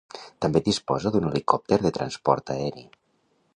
També disposa d'un helicòpter de transport aeri.